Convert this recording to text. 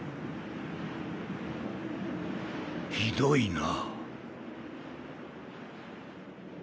ひどいな。